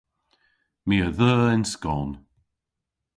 My a dheu yn skon.